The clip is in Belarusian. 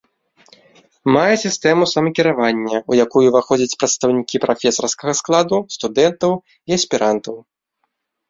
Мае сістэму самакіравання, у якую ўваходзяць прадстаўнікі прафесарскага складу, студэнтаў і аспірантаў.